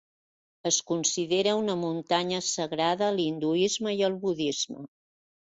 Es considera una muntanya sagrada a l'hinduisme i el budisme.